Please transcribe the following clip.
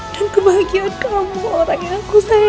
dan kebahagiaan kamu orang yang aku sayangi